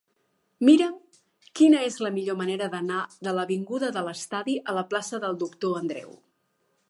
Mira'm quina és la millor manera d'anar de l'avinguda de l'Estadi a la plaça del Doctor Andreu.